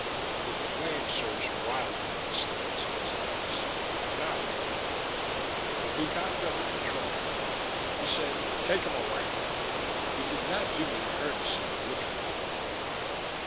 The flame surged wildly in Slovetski's eyes not at me. But he got it under control. He said, "Take him away." He did not do me the courtesy of looking my way again.